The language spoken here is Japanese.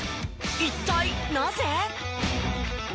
一体なぜ！？